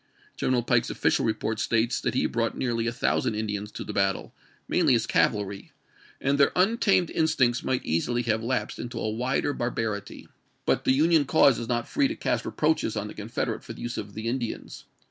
General mi'.'^'lv' K. Pike's official report states that he brought nearly ^'ll; 2t«.' ' 'd thousand Indians to the battle, mainly as cavalry, PEA BIDGE AND ISLAND NO. 10 293 and their untamed instincts might easily have ch. xvii. lapsed into a wider barbarity. But the Union cause is not free to cast reproaches on the Confederates for the use of the Indians.